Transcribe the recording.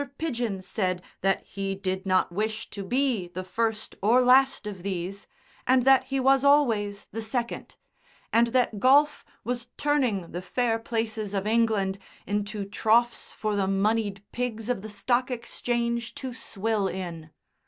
Pidgen said that he did not wish to be the first or last of these, and that he was always the second, and that golf was turning the fair places of England into troughs for the moneyed pigs of the Stock Exchange to swill in.